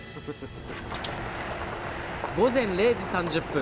午前０時３０分